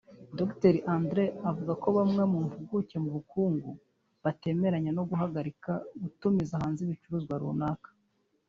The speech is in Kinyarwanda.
Dr Andrew avuga ko bamwe mu mpuguke mu bukungu batemeranya no guhagarika gutumiza hanze ibicuruzwa runaka